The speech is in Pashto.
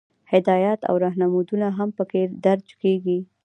هدایات او رهنمودونه هم پکې درج کیږي.